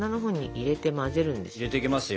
入れていきますよ。